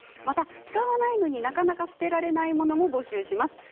また使わないのに、なかなか捨てられないものも募集します。